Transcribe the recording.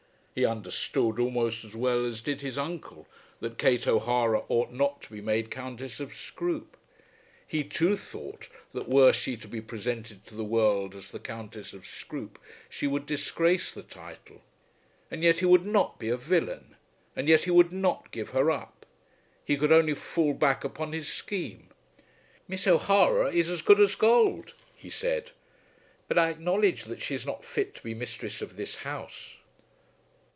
He understood, almost as well as did his uncle, that Kate O'Hara ought not to be made Countess of Scroope. He too thought that were she to be presented to the world as the Countess of Scroope, she would disgrace the title. And yet he would not be a villain! And yet he would not give her up! He could only fall back upon his scheme. "Miss O'Hara is as good as gold," he said; "but I acknowledge that she is not fit to be mistress of this house."